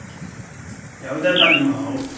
有的不要好，